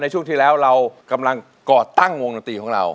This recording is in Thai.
ช่วงที่แล้วเรากำลังก่อตั้งวงดนตรีของเรา